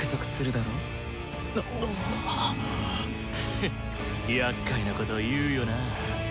フッやっかいなこと言うよなぁ。